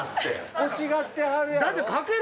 欲しがってはるやろ。